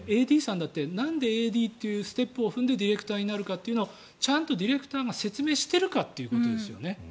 ＡＤさんだってなんでＡＤというステップを踏んでディレクターになるのかというのをちゃんとディレクターが説明してるかということですね。